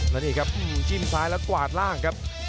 แล้วนี่ครับจิ้มซ้ายแล้วกวาดล่างครับ